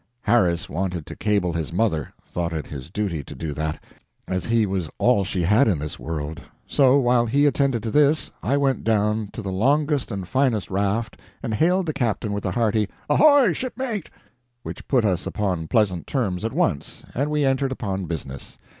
Harris wanted to cable his mother thought it his duty to do that, as he was all she had in this world so, while he attended to this, I went down to the longest and finest raft and hailed the captain with a hearty "Ahoy, shipmate!" which put us upon pleasant terms at once, and we entered upon business.